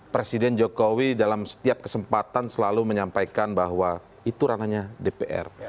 presiden jokowi dalam setiap kesempatan selalu menyampaikan bahwa itu ranahnya dpr